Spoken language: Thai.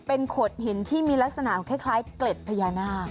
เป็นโขดหินที่มีลักษณะคล้ายเกล็ดพญานาค